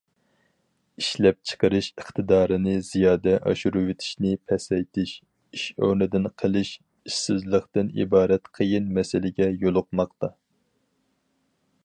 ئىشلەپچىقىرىش ئىقتىدارنى زىيادە ئاشۇرۇۋېتىشنى پەسەيتىش ئىش ئورنىدىن قىلىش ئىشسىزلىقتىن ئىبارەت قىيىن مەسىلىگە يولۇقماقتا.